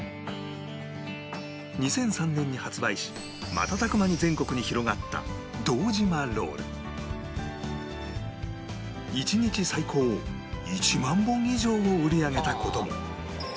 ２００３年に発売し瞬く間に全国に広がった１日最高１万本以上を売り上げた事も